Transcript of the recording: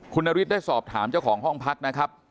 คุณนฤทธิได้สอบถามเจ้าของห้องพักนะครับ